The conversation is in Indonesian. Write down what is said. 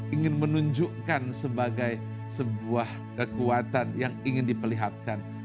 ingin menunjukkan sebagai sebuah kekuatan yang ingin diperlihatkan